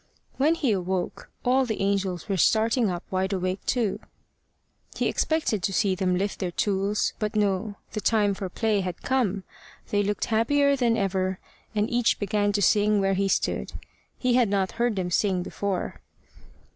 When he awoke, all the angels were starting up wide awake too. He expected to see them lift their tools, but no, the time for play had come. They looked happier than ever, and each began to sing where he stood. He had not heard them sing before.